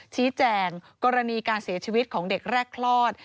ชี้แจงกรณีการเสียชีวิตของเด็กแรกคลอด